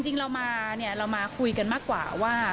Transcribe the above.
จริงเรามาเนี่ยเรามาคุยกันมากกว่าว่า